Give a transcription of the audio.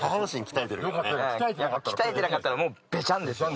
鍛えてなかったらもうベチャン！ですよ。